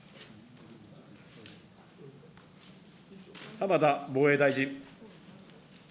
浜田防衛大臣。